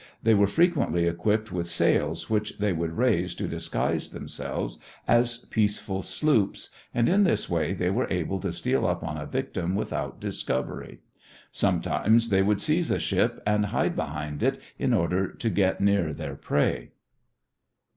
They were frequently equipped with sails which they would raise to disguise themselves as peaceful sloops, and in this way they were able to steal up on a victim without discovery. Sometimes they would seize a ship and hide behind it in order to get near their prey.